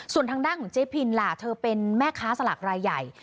ส่วนทางด้านของเจ๊พินล่ะเธอเป็นแม่ค้าสลากรายใหญ่